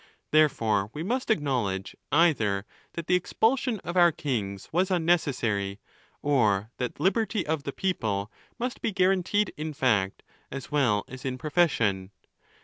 | Therefore we must acknowledge, either that the expulsion of our kings was unnecessary, or that liberty of the people: must be guaranteed in fact as well as in profession.